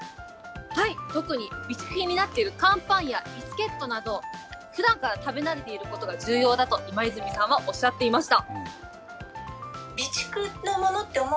特に備蓄品になっている乾パンやビスケットなど、ふだんから食べ慣れていることが重要だと、今泉さんはおっしゃっていました。